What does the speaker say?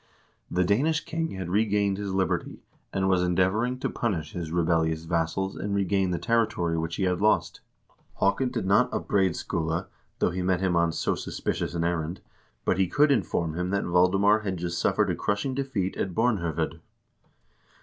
The Danish king had regained his liberty, and was endeavoring to punish his rebellious vassals, and regain the territory which he had lost. Haakon did not upbraid Skule, though he met him on so suspicious an errand, but he could inform him that Valdemar had just suffered a crushing defeat at Bornh0ved.